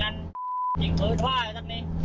นี่ค่ะ